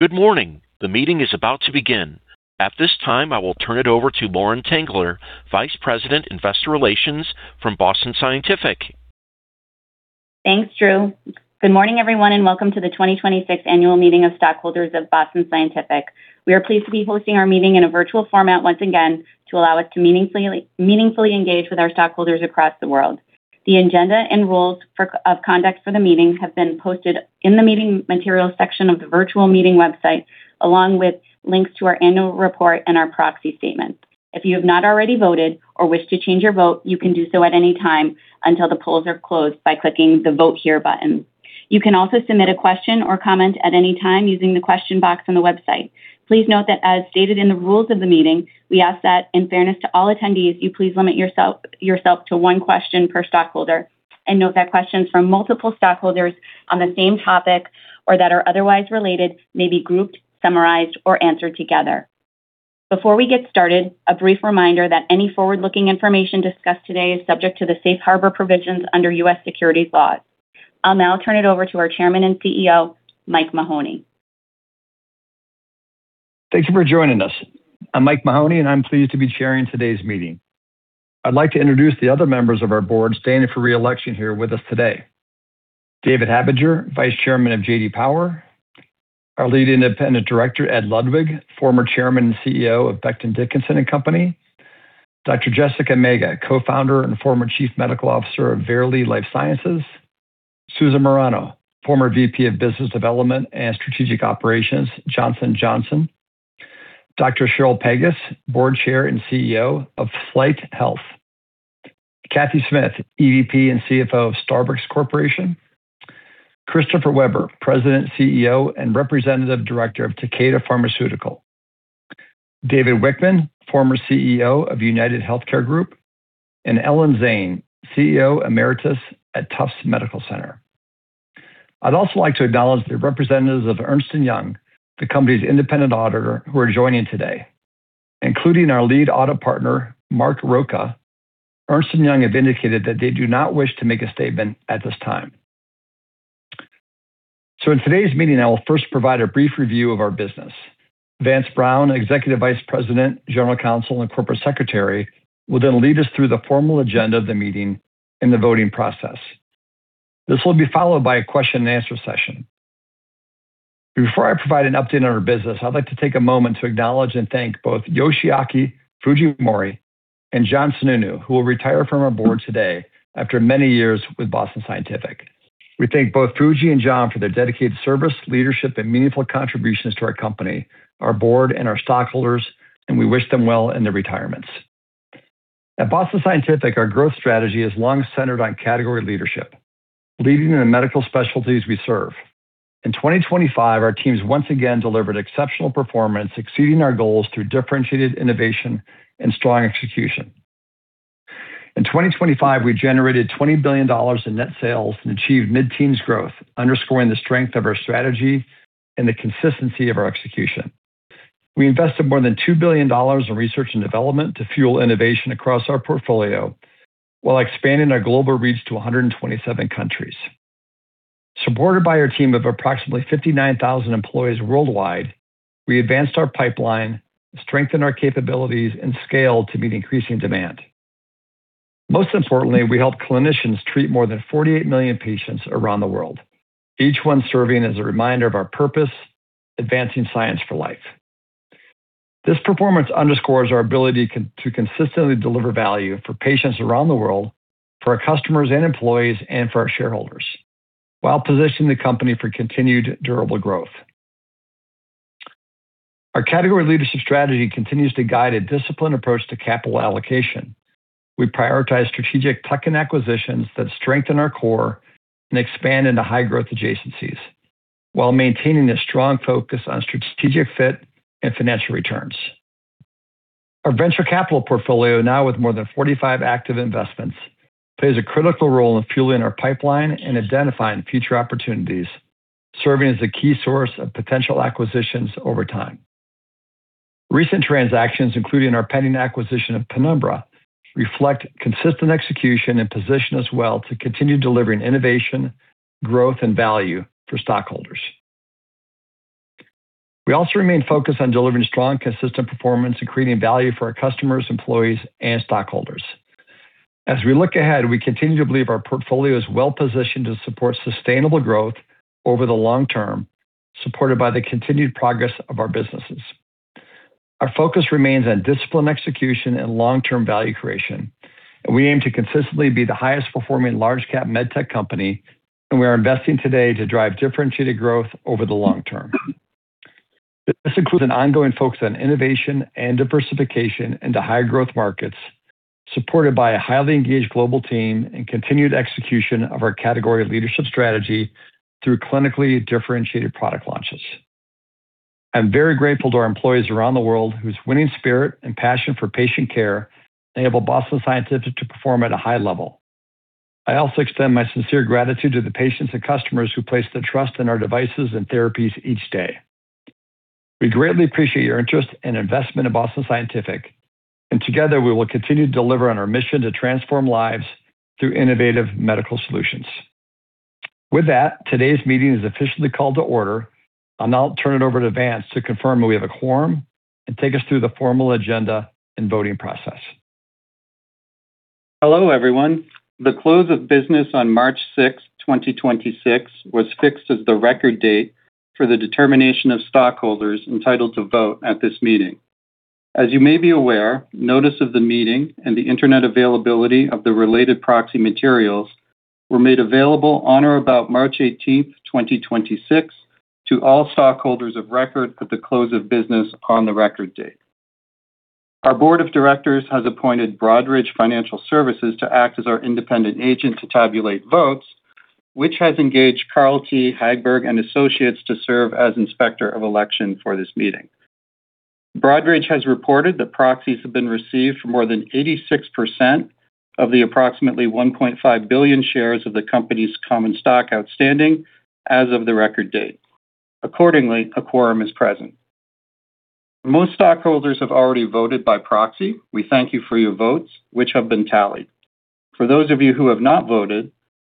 Good morning. The meeting is about to begin. At this time, I will turn it over to Lauren Tengler, Vice President, Investor Relations from Boston Scientific. Thanks, Drew. Good morning, everyone, welcome to the 2026 Annual Meeting of Stockholders of Boston Scientific. We are pleased to be hosting our meeting in a virtual format once again to allow us to meaningfully engage with our stockholders across the world. The agenda and rules of conduct for the meeting have been posted in the meeting materials section of the virtual meeting website, along with links to our annual report and our proxy statement. If you have not already voted or wish to change your vote, you can do so at any time until the polls are closed by clicking the Vote Here button. You can also submit a question or comment at any time using the question box on the website. Please note that as stated in the rules of the meeting, we ask that, in fairness to all attendees, you please limit yourself to one question per stockholder and note that questions from multiple stockholders on the same topic or that are otherwise related may be grouped, summarized, or answered together. Before we get started, a brief reminder that any forward-looking information discussed today is subject to the safe harbor provisions under U.S. security laws. I'll now turn it over to our Chairman and CEO, Mike Mahoney. Thanks for joining us. I'm Mike Mahoney. I'm pleased to be chairing today's meeting. I'd like to introduce the other members of our board standing for re-election here with us today. David Habiger, Vice Chairman of J.D. Power. Our Lead Independent Director, Edward Ludwig, former Chairman and CEO of Becton, Dickinson and Company. Dr. Jessica Mega, Co-Founder and former Chief Medical Officer of Verily Life Sciences. Susan Morano, former VP of Business Development and Strategic Operations, Johnson & Johnson. Dr. Cheryl Pegus, Board Chair and CEO of FlyteHealth. Cathy Smith, EVP and CFO of Starbucks Corporation. Christophe Weber, President, CEO, and Representative Director of Takeda Pharmaceutical. David Wichmann, former CEO of UnitedHealth Group, and Ellen Zane, CEO Emeritus at Tufts Medical Center. I'd also like to acknowledge the representatives of Ernst & Young, the company's independent auditor who are joining today, including our Lead Audit Partner, Mark Rocca. Ernst & Young have indicated that they do not wish to make a statement at this time. In today's meeting, I will first provide a brief review of our business. Vance Brown, Executive Vice President, General Counsel, and Corporate Secretary, will then lead us through the formal agenda of the meeting and the voting process. This will be followed by a question and answer session. Before I provide an update on our business, I'd like to take a moment to acknowledge and thank both Yoshiaki Fujimori and John Sununu, who will retire from our board today after many years with Boston Scientific. We thank both Fuji and John for their dedicated service, leadership, and meaningful contributions to our company, our board, and our stockholders, and we wish them well in their retirements. At Boston Scientific, our growth strategy has long centered on category leadership, leading in the medical specialties we serve. In 2025, our teams once again delivered exceptional performance, exceeding our goals through differentiated innovation and strong execution. In 2025, we generated $20 billion in net sales and achieved mid-teens growth, underscoring the strength of our strategy and the consistency of our execution. We invested more than $2 billion in research and development to fuel innovation across our portfolio while expanding our global reach to 127 countries. Supported by our team of approximately 59,000 employees worldwide, we advanced our pipeline, strengthened our capabilities, and scaled to meet increasing demand. Most importantly, we helped clinicians treat more than 48 million patients around the world, each one serving as a reminder of our purpose, advancing science for life. This performance underscores our ability to consistently deliver value for patients around the world, for our customers and employees, and for our shareholders while positioning the company for continued durable growth. Our category leadership strategy continues to guide a disciplined approach to capital allocation. We prioritize strategic tuck-in acquisitions that strengthen our core and expand into high-growth adjacencies while maintaining a strong focus on strategic fit and financial returns. Our venture capital portfolio, now with more than 45 active investments, plays a critical role in fueling our pipeline and identifying future opportunities, serving as a key source of potential acquisitions over time. Recent transactions, including our pending acquisition of Penumbra, reflect consistent execution and position us well to continue delivering innovation, growth, and value for stockholders. We also remain focused on delivering strong, consistent performance and creating value for our customers, employees, and stockholders. As we look ahead, we continue to believe our portfolio is well-positioned to support sustainable growth over the long term, supported by the continued progress of our businesses. Our focus remains on disciplined execution and long-term value creation. We aim to consistently be the highest performing large cap med tech company. We are investing today to drive differentiated growth over the long term. This includes an ongoing focus on innovation and diversification into higher growth markets, supported by a highly engaged global team and continued execution of our category leadership strategy through clinically differentiated product launches. I'm very grateful to our employees around the world whose winning spirit and passion for patient care enable Boston Scientific to perform at a high level. I also extend my sincere gratitude to the patients and customers who place their trust in our devices and therapies each day. We greatly appreciate your interest and investment in Boston Scientific. Together we will continue to deliver on our mission to transform lives through innovative medical solutions. With that, today's meeting is officially called to order. I'll now turn it over to Vance to confirm that we have a quorum and take us through the formal agenda and voting process. Hello, everyone. The close of business on March 6, 2026 was fixed as the record date for the determination of stockholders entitled to vote at this meeting. As you may be aware, notice of the meeting and the internet availability of the related proxy materials were made available on or about March 18, 2026 to all stockholders of record at the close of business on the record date. Our Board of Directors has appointed Broadridge Financial Services to act as our independent agent to tabulate votes, which has engaged Carl T. Hagberg & Associates to serve as inspector of election for this meeting. Broadridge has reported that proxies have been received for more than 86% of the approximately 1.5 billion shares of the company's common stock outstanding as of the record date. Accordingly, a quorum is present. Most stockholders have already voted by proxy. We thank you for your votes, which have been tallied. For those of you who have not voted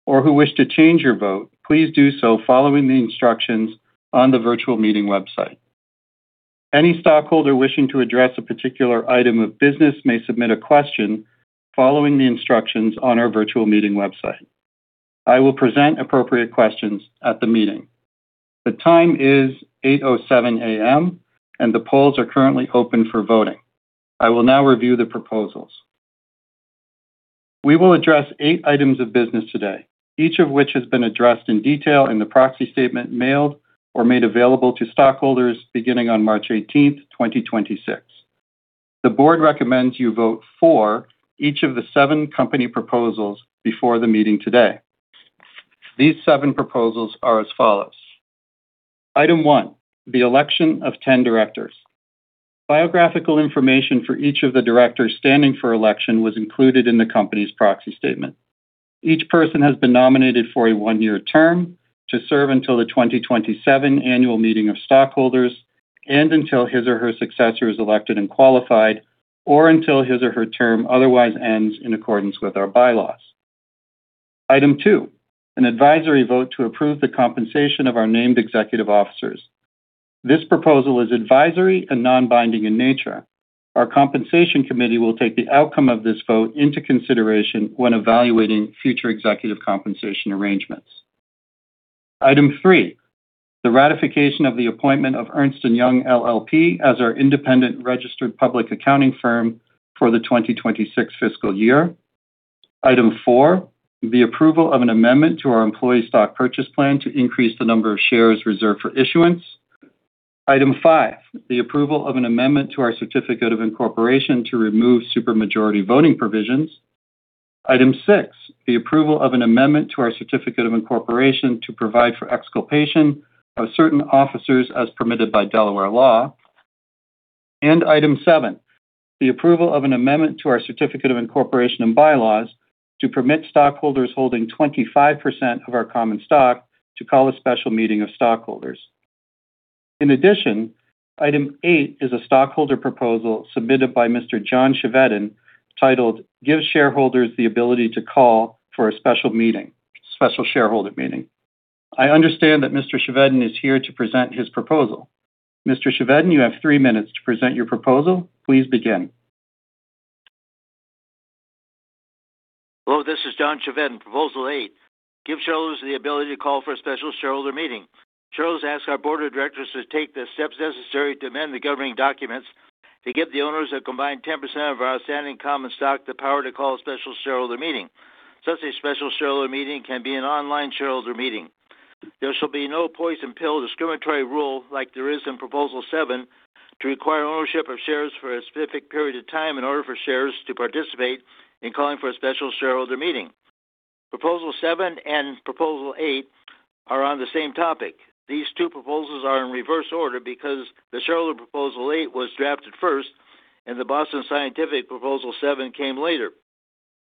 or who wish to change your vote, please do so following the instructions on the virtual meeting website. Any stockholder wishing to address a particular item of business may submit a question following the instructions on our virtual meeting website. I will present appropriate questions at the meeting. The time is 8:07 A.M., and the polls are currently open for voting. I will now review the proposals. We will address eight items of business today, each of which has been addressed in detail in the proxy statement mailed or made available to stockholders beginning on March 18th, 2026. The board recommends you vote for each of the seven company proposals before the meeting today. These seven proposals are as follows. Item 1, the election of 10 directors. Biographical information for each of the directors standing for election was included in the company's proxy statement. Each person has been nominated for a one-year term to serve until the 2027 Annual Meeting of Stockholders and until his or her successor is elected and qualified or until his or her term otherwise ends in accordance with our bylaws. Item 2, an advisory vote to approve the compensation of our named executive officers. This proposal is advisory and non-binding in nature. Our Compensation Committee will take the outcome of this vote into consideration when evaluating future executive compensation arrangements. Item 3, the ratification of the appointment of Ernst & Young LLP as our independent registered public accounting firm for the 2026 fiscal year. Item 4, the approval of an amendment to our employee stock purchase plan to increase the number of shares reserved for issuance. Item 5, the approval of an amendment to our certificate of incorporation to remove super majority voting provisions. Item 6, the approval of an amendment to our certificate of incorporation to provide for exculpation of certain officers as permitted by Delaware law. Item 7, the approval of an amendment to our certificate of incorporation and bylaws to permit stockholders holding 25% of our common stock to call a special meeting of stockholders. In addition, Item 8 is a stockholder proposal submitted by Mr. John Chevedden, titled Give Shareholders the Ability to Call for a Special Shareholder Meeting. I understand that Mr. Chevedden is here to present his proposal. Mr. Chevedden, you have three minutes to present your proposal. Please begin. Hello, this is John Chevedden, Proposal 8, Give Shareholders the Ability to Call for a Special Shareholder Meeting. Shareholders ask our board of directors to take the steps necessary to amend the governing documents to give the owners a combined 10% of our outstanding common stock the power to call a special shareholder meeting. Such a special shareholder meeting can be an online shareholder meeting. There shall be no poison pill discriminatory rule like there is in Proposal 7 to require ownership of shares for a specific period of time in order for shares to participate in calling for a special shareholder meeting. Proposal 7 and Proposal 8 are on the same topic. These two proposals are in reverse order because the shareholder Proposal 8 was drafted first and the Boston Scientific Proposal 7 came later.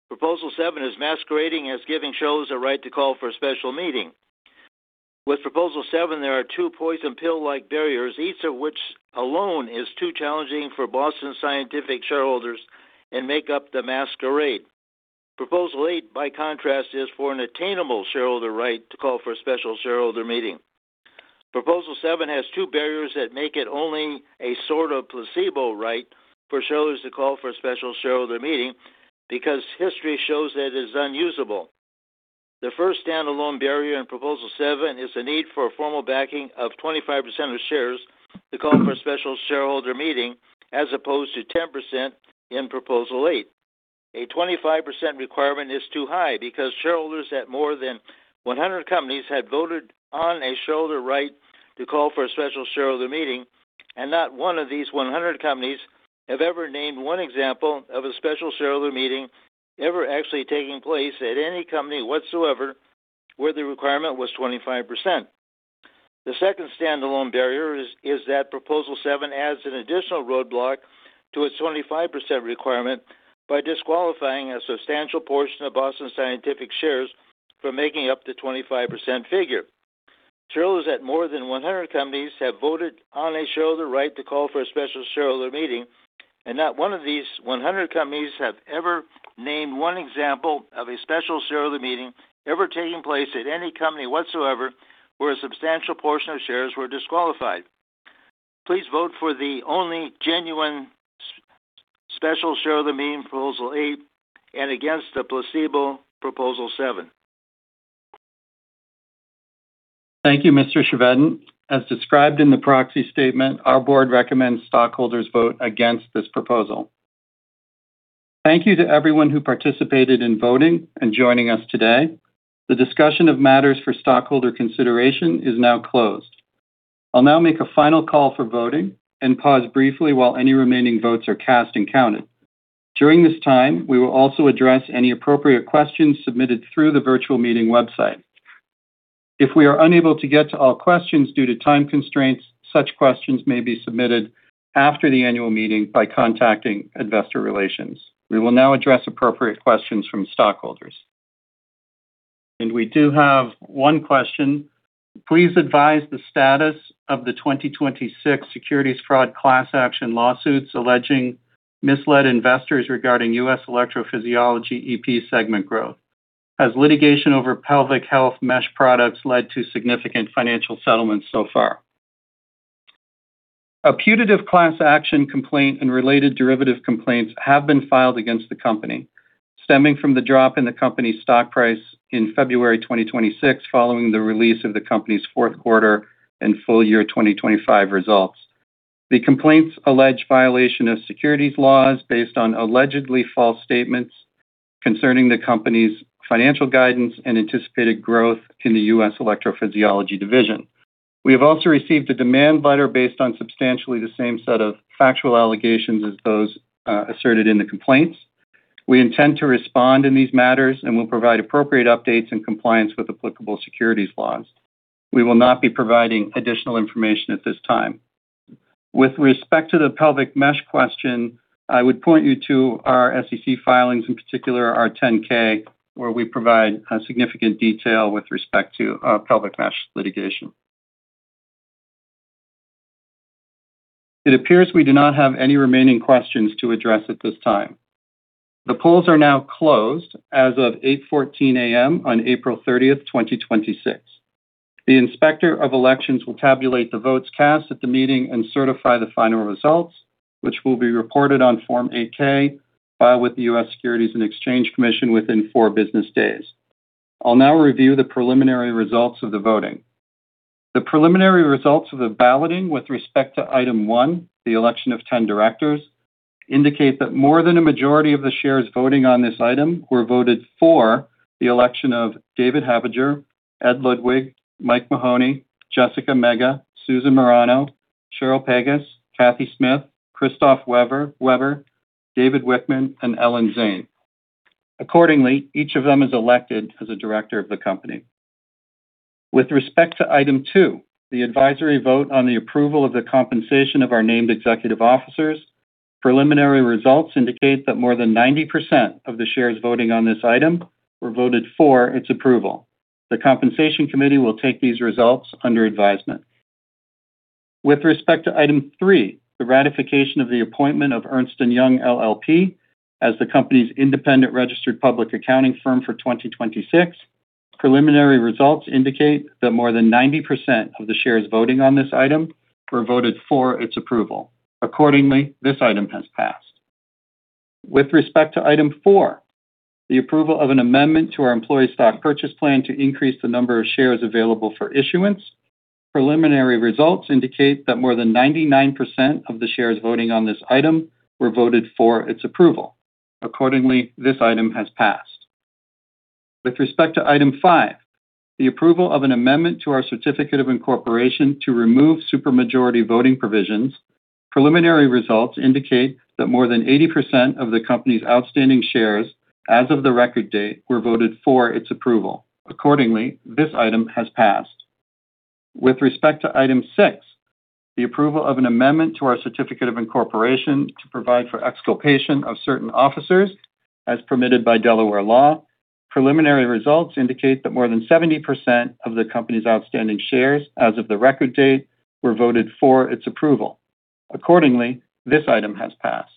Proposal 7 is masquerading as giving shareholders a right to call for a special meeting. With Proposal 7, there are two poison pill-like barriers, each of which alone is too challenging for Boston Scientific shareholders and make up the masquerade. Proposal 8, by contrast, is for an attainable shareholder right to call for a special shareholder meeting. Proposal 7 has two barriers that make it only a sort of placebo right for shareholders to call for a special shareholder meeting because history shows that it is unusable. The first standalone barrier in Proposal 7 is the need for a formal backing of 25% of shares to call for a special shareholder meeting, as opposed to 10% in Proposal 8. A 25% requirement is too high because shareholders at more than 100 companies have voted on a shareholder right to call for a special shareholder meeting, and not one of these 100 companies have ever named one example of a special shareholder meeting ever actually taking place at any company whatsoever where the requirement was 25%. The second standalone barrier is that Proposal 7 adds an additional roadblock to its 25% requirement by disqualifying a substantial portion of Boston Scientific shares from making up the 25% figure. Shareholders at more than 100 companies have voted on a shareholder right to call for a special shareholder meeting, and not one of these 100 companies have ever named one example of a special shareholder meeting ever taking place at any company whatsoever where a substantial portion of shares were disqualified. Please vote for the only genuine special shareholder meeting, Proposal 8, and against the placebo, Proposal 7. Thank you, Mr. Chevedden. As described in the proxy statement, our board recommends stockholders vote against this proposal. Thank you to everyone who participated in voting and joining us today. The discussion of matters for stockholder consideration is now closed. I'll now make a final call for voting and pause briefly while any remaining votes are cast and counted. During this time, we will also address any appropriate questions submitted through the virtual meeting website. If we are unable to get to all questions due to time constraints, such questions may be submitted after the annual meeting by contacting investor relations. We will now address appropriate questions from stockholders. We do have one question. Please advise the status of the 2026 securities fraud class action lawsuits alleging misled investors regarding U.S. Electrophysiology (EP) segment growth. Has litigation over pelvic health mesh products led to significant financial settlements so far? A putative class action complaint and related derivative complaints have been filed against the company stemming from the drop in the company's stock price in February 2026 following the release of the company's fourth quarter and full year 2025 results. The complaints allege violation of securities laws based on allegedly false statements concerning the company's financial guidance and anticipated growth in the U.S. Electrophysiology Division. We have also received a demand letter based on substantially the same set of factual allegations as those asserted in the complaints. We intend to respond in these matters and will provide appropriate updates and compliance with applicable securities laws. We will not be providing additional information at this time. With respect to the pelvic mesh question, I would point you to our SEC filings, in particular our 10-K, where we provide significant detail with respect to our pelvic mesh litigation. It appears we do not have any remaining questions to address at this time. The polls are now closed as of 8:14 A.M. on April 30th, 2026. The Inspector of Elections will tabulate the votes cast at the meeting and certify the final results, which will be reported on Form 8-K with the U.S. Securities and Exchange Commission within four business days. I'll now review the preliminary results of the voting. The preliminary results of the balloting with respect to Item 1, the election of 10 directors, indicate that more than a majority of the shares voting on this item were voted for the election of David Habiger, Ed Ludwig, Mike Mahoney, Jessica Mega, Susan Morano, Cheryl Pegus, Cathy Smith, Christophe Weber, David Wichmann, and Ellen Zane. Accordingly, each of them is elected as a director of the company. With respect to Item 2, the advisory vote on the approval of the compensation of our named executive officers, preliminary results indicate that more than 90% of the shares voting on this item were voted for its approval. The compensation committee will take these results under advisement. With respect to Item 3, the ratification of the appointment of Ernst & Young LLP as the company's independent registered public accounting firm for 2026, preliminary results indicate that more than 90% of the shares voting on this item were voted for its approval. Accordingly, this item has passed. With respect to Item 4, the approval of an amendment to our employee stock purchase plan to increase the number of shares available for issuance, preliminary results indicate that more than 99% of the shares voting on this item were voted for its approval. Accordingly, this item has passed. With respect to Item 5, the approval of an amendment to our certificate of incorporation to remove super majority voting provisions, preliminary results indicate that more than 80% of the company's outstanding shares as of the record date were voted for its approval. Accordingly, this item has passed. With respect to Item 6, the approval of an amendment to our certificate of incorporation to provide for exculpation of certain officers as permitted by Delaware law, preliminary results indicate that more than 70% of the company's outstanding shares as of the record date were voted for its approval. Accordingly, this item has passed.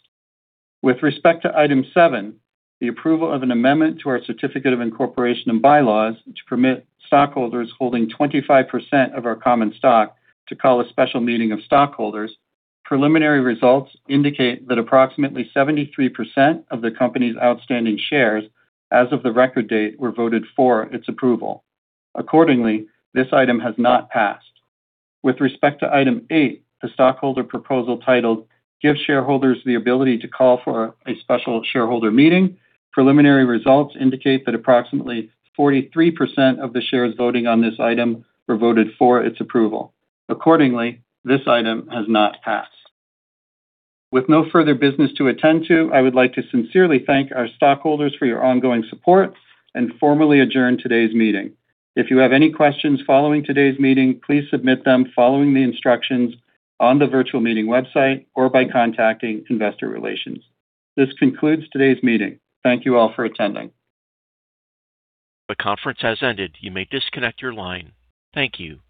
With respect to Item 7, the approval of an amendment to our certificate of incorporation and bylaws to permit stockholders holding 25% of our common stock to call a special meeting of stockholders, preliminary results indicate that approximately 73% of the company's outstanding shares as of the record date were voted for its approval. Accordingly, this item has not passed. With respect to Item 8, the stockholder proposal titled "Give Shareholders the Ability to Call for a Special Shareholder Meeting," preliminary results indicate that approximately 43% of the shares voting on this item were voted for its approval. Accordingly, this item has not passed. With no further business to attend to, I would like to sincerely thank our stockholders for your ongoing support and formally adjourn today's meeting. If you have any questions following today's meeting, please submit them following the instructions on the virtual meeting website or by contacting investor relations. This concludes today's meeting. Thank you all for attending. The conference has ended. You may disconnect your line. Thank you.